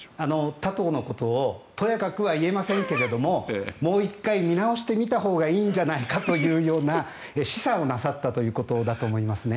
他党のことをとやかくは言えませんけれどもう一回見直してみたほうがいいんじゃないかというような示唆をなさったということだと思いますね。